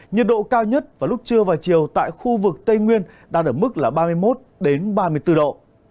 nhiệt độ cao nhất vào lúc trưa và chiều tại khu vực tây nguyên đang ở mức ba mươi một ba mươi bốn độ